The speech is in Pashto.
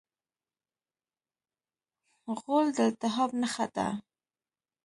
غول د التهاب نښه ده.